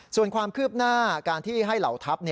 ส่วนความคืบหน้าการที่ให้เหล่าทัพ